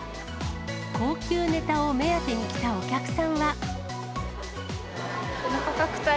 高級ネタを目当てに来たお客